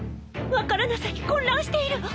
分からなさに混乱しているわ！